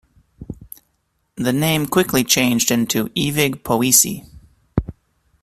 The name quickly changed into Evig Poesi.